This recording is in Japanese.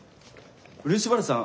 漆原さん